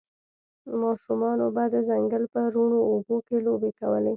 ماشومانو به د ځنګل په روڼو اوبو کې لوبې کولې